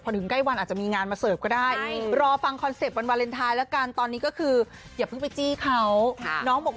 พี่ทำให้หนูลำบากพี่ทำให้หนูลำบาก